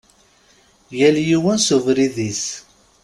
Yal yiwen s ubrid-is.